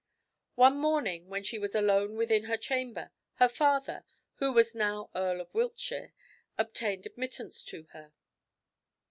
One morning, when she was alone within her chamber, her father, who was now Earl of Wiltshire, obtained admittance to her.